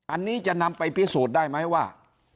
อันนี้จะนำไปพิสูจน์ได้ไหมว่า